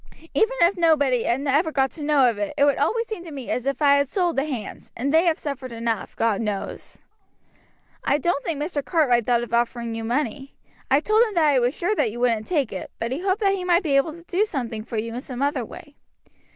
Even if nobody ever got to know of it, it would always seem to me as if I had sold the hands, and they have suffered enough, God knows." "I don't think Mr. Cartwright thought of offering you money. I told him that I was sure that you wouldn't take it, but he hoped that he might be able to do something for you in some other way."